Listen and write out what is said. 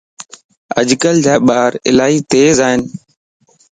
اڄ ڪل جا ٻار الائي تيزائين